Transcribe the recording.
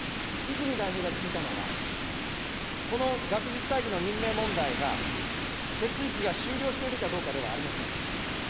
泉代表が聞いたのは、この学術会議の任命問題が、手続きが終了しているかどうかではありません。